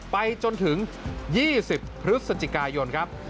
ไปจนถึง๒๐พฤศจิกายนครับ